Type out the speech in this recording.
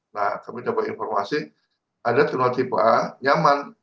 nah kami dapat informasi ada terminal tipe a nyaman